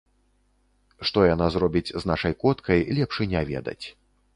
Што яна зробіць з нашай коткай, лепш і не ведаць.